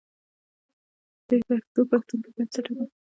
بې پښتوه پښتون بې بنسټه دی.